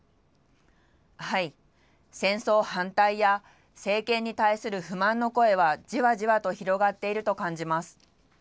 戦争反対や政権に対する不満の声はじわじわと広がっていると感じます。